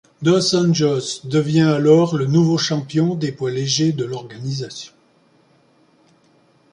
Dos Anjos devient alors le nouveau champion des poids légers de l'organisation.